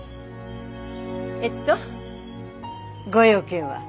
えっとご用件は？